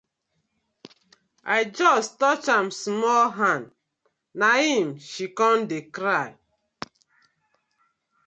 I just touch am small hand na im she com dey cry.